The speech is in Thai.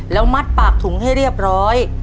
แล้วมัดปากถุงให้เรียบร้อย